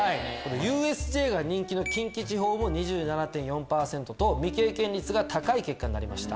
ＵＳＪが人気の近畿地方も未経験率が高い結果になりました。